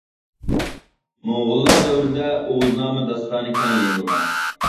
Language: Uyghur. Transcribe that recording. موڭغۇللار دەۋرىدە ‹ ‹ئوغۇزنامە› › داستانى كەڭ يېيىلغان.